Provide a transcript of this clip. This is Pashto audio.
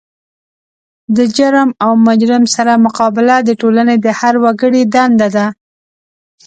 د جرم او مجرم سره مقابله د ټولنې د هر وګړي دنده ده.